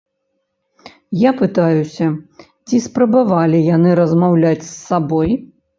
Я пытаюся, ці спрабавалі яны размаўляць з сабой?